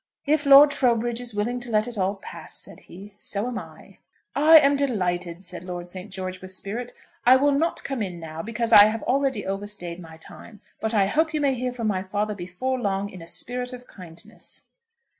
"If Lord Trowbridge is willing to let it all pass," said he, "so am I." "I am delighted," said Lord St. George, with spirit; "I will not come in now, because I have already overstayed my time, but I hope you may hear from my father before long in a spirit of kindness."